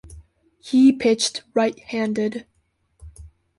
He pitched right-handed.